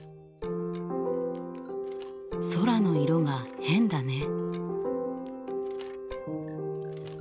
空の色が変だね。